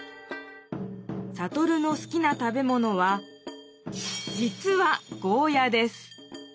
サトルのすきな食べものは実は「ゴーヤ」です。